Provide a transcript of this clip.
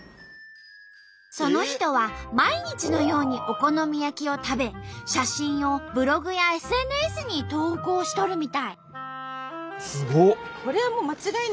その人は毎日のようにお好み焼きを食べ写真をブログやＳＮＳに投稿しとるみたい。